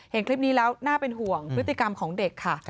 เห็นคลิปนี้แล้วน่าเป็นห่วงพฤติกรรมของเด็กค่ะ